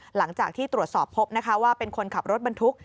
หลังจากที่ตรวจสอบพบนะคะว่าเป็นคนขับรถบรรทุก